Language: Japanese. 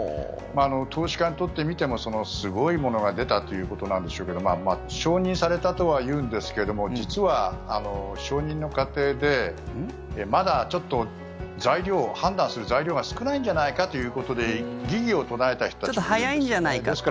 投資家にとってみてもすごいものが出たということなんでしょうけど承認されたとはいうんですけども実は、承認の過程でまだちょっと判断する材料が少ないんじゃないかということで疑義を唱えた人たちもいるんですよ。